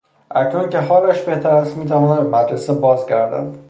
اکنون که حالش بهتر است میتواند به مدرسه باز گردد.